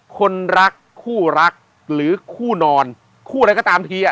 คนรักคู่รักหรือคู่นอนคู่อะไรก็ตามทีอ่ะ